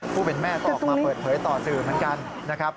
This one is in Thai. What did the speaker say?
ผู้เป็นแม่ก็ออกมาเปิดเผยต่อสื่อเหมือนกันนะครับ